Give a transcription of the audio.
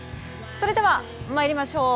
それでは参りましょう。